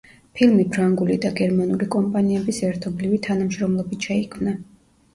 ფილმი ფრანგული და გერმანული კომპანიების ერთობლივი თანამშრომლობით შეიქმნა.